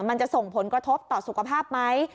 มันจะส่งผลกระทบต่อสุขภาพไหม